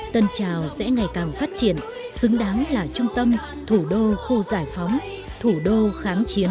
tân trào sẽ ngày càng phát triển xứng đáng là trung tâm thủ đô khu giải phóng thủ đô kháng chiến